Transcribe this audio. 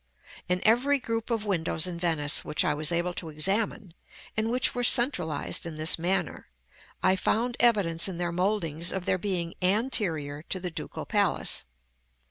In every group of windows in Venice which I was able to examine, and which were centralized in this manner, I found evidence in their mouldings of their being anterior to the Ducal Palace.